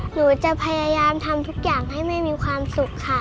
หนูจะพยายามทำทุกอย่างให้แม่มีความสุขค่ะ